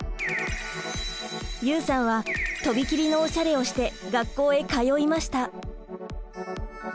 ユウさんはとびきりのおしゃれをして学校へ通いました！